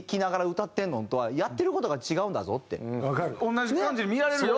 同じ感じで見られるよ。